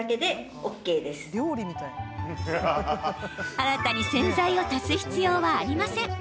新たに洗剤を足す必要はありません。